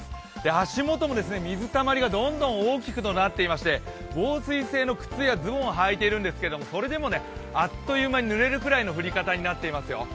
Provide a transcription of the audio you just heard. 足元も水たまりがどんどん大きくなってきてまして、防水性の靴やズボンをはいているんですけれどそれでもあっという間にぬれるぐらいの降り方になっていますよ。